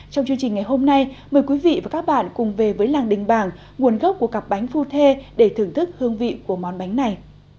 trong chương trình ngày hôm nay mời quý vị và các bạn cùng về với làng đình bảng nguồn gốc của cặp bánh phu thê để thưởng thức hương vị của món bánh này